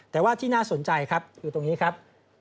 แต่ว่าที่น่าสนใจครับอยู่ตรงนี้ครับ